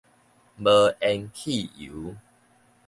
無鉛汽油